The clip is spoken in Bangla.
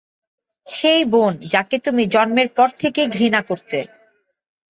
সেই বোন যাকে তুমি জন্মের পর থেকেই ঘৃণা করতে?